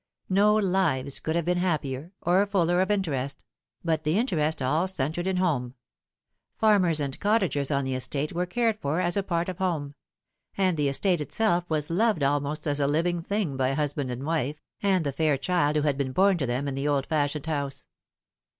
No lives could have been happier, or fuller of interest ; but the interest all centred in home. Farmers and cottagers on the estate were cared for as a part of home ; and the estate itself was loved almost as a living thing by husband and wife, and the fair child who had been born to them in the old fashioned house.